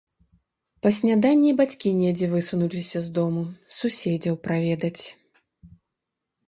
Па сняданні і бацькі недзе высунуліся з дому суседзяў праведаць.